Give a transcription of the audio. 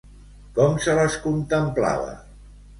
Com se les contemplava?